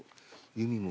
弓も。